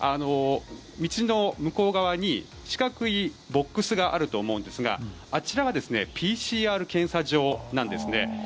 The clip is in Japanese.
道の向こう側に四角いボックスがあると思うんですがあちらはＰＣＲ検査場なんですね。